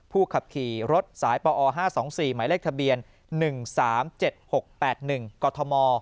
ขับขี่รถสายปอ๕๒๔หมายเลขทะเบียน๑๓๗๖๘๑กธม